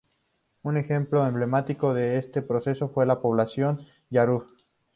Un ejemplo emblemático de este proceso fue la Población Yarur.